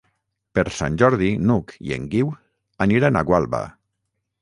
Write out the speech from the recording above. Per Sant Jordi n'Hug i en Guiu aniran a Gualba.